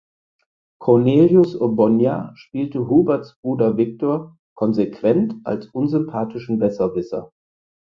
Cornelius Obonya spiele Huberts Bruder Victor „konsequent als unsympathischen Besserwisser“.